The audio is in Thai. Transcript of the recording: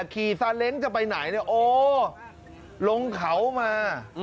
ซาเล้งจะไปไหนเนี่ยโอ้ลงเขามา